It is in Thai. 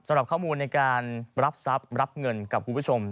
สำหรับข้อมูลในการรับทรัพย์รับเงินกับคุณผู้ชม